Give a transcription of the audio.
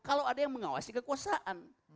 kalau ada yang mengawasi kekuasaan